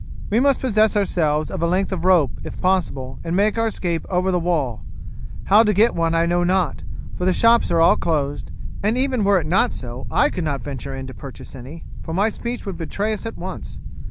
"We must possess ourselves of a length of rope if possible, and make our escape over the wall. How to get one I know not, for the shops are all closed, and even were it not so I could not venture in to purchase any, for my speech would betray us at once.